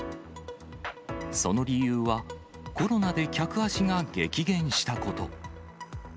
その理由は、コロナで客足が激減したこと。